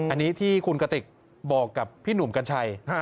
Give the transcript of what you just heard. อันนี้ที่คุณกติกบอกกับพี่หนุ่มกัญชัย